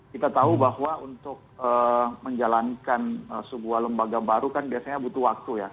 kita tahu bahwa untuk menjalankan sebuah lembaga baru kan biasanya butuh waktu ya